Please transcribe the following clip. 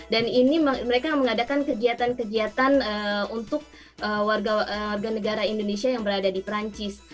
dan ini mereka mengadakan kegiatan kegiatan untuk warga negara indonesia yang berada di perancis